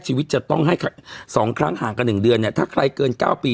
ชีวิตจะต้องให้สองครั้งห่างกับหนึ่งเดือนเนี้ยถ้าใครเกินเก้าปี